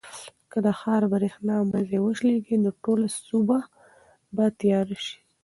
که د ښار د برېښنا مزي وشلېږي نو ټوله سوبه به تیاره شي.